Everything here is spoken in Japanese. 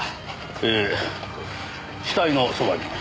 え死体のそばに。